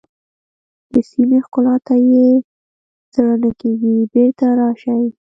د سیمې ښکلا ته یې زړه نه کېږي بېرته راشئ.